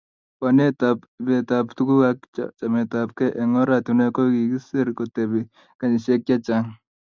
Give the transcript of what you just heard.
Bounetap ibetap tuguk ak chametabkei eng oratinwek ko kikiser kotebi kenyisiek chechang